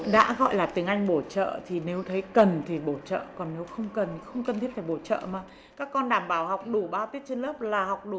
đã gọi là tiếng anh bổ trợ thì nếu thấy cần thì bổ trợ còn nếu không cần thì không cần thiết phải bổ trợ mà các con đảm bảo học đủ bao tiết trên lớp là học đủ